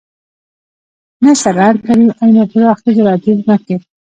نه صنعت لري او نه پراخې زراعتي ځمکې.